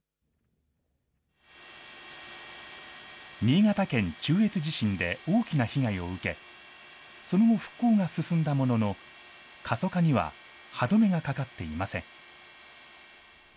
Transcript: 新潟県中越地震で大きな被害を受け、その後、復興が進んだものの、過疎化には歯止めがかかっていません。